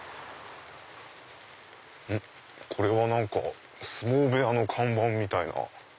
これは何か相撲部屋の看板みたいな。